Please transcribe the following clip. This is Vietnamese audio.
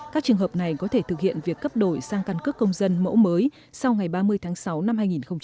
các trường hợp này có thể thực hiện việc cấp đổi sang căn cước công dân mẫu mới sau ngày ba mươi tháng sáu năm hai nghìn hai mươi